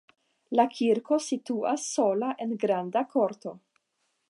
La kirko situas sola en granda korto.